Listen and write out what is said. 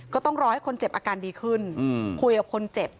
ก็ต้องรอให้คนเจ็บอาการดีขึ้นคุยกับคนเจ็บ